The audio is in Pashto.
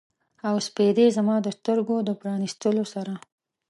او سپیدې زما د سترګو د پرانیستلو سره